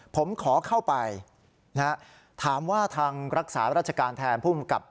ผมขอเข้าไปนะฮะถามว่าทางรักษาราชการแทนภูมิกับ